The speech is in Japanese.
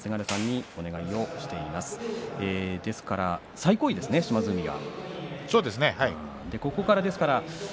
最高位ですね、島津海は。